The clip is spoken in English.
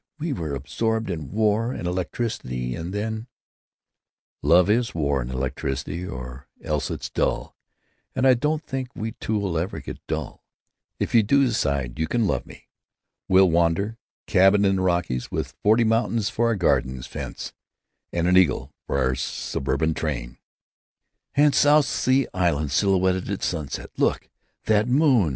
We were absorbed in war and electricity and then——" "Love is war and electricity, or else it's dull, and I don't think we two 'll ever get dull—if you do decide you can love me. We'll wander: cabin in the Rockies, with forty mountains for our garden fence, and an eagle for our suburban train." "And South Sea islands silhouetted at sunset!... Look! That moon!...